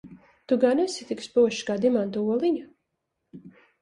Tu gan esi tik spožs kā dimanta oliņa?